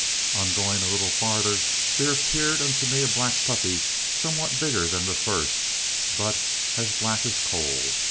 "] "On going a little further, there appeared unto me a black puppy, somewhat bigger than the first, but as black as a coal.